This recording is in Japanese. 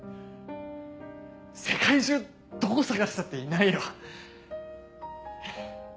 世界中どこ探したっていないよ。